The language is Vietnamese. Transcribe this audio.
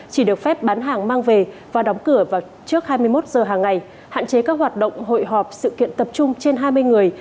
chỉ được phép bán hàng mang về và đóng cửa vào trước hai mươi một giờ hàng ngày hạn chế các hoạt động hội họp sự kiện tập trung trên hai mươi người